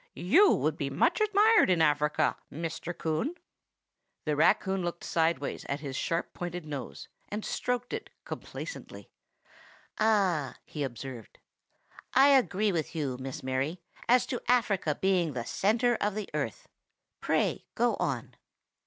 You would be much admired in Africa, Mr. Coon." The raccoon looked sidewise at his sharp pointed nose, and stroked it complacently. "Ah!" he observed, "I agree with you, Miss Mary, as to Africa being the centre of the earth. Pray go on."